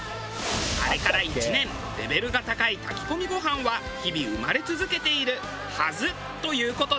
あれから１年レベルが高い炊き込みご飯は日々生まれ続けているはずという事で。